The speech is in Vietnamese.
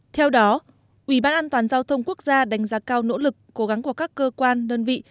theo đó ủy ban an toàn giao thông quốc gia đánh giá cao nỗ lực cố gắng của các cơ quan đơn vị